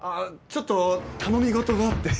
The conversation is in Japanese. ちょっと頼み事があって。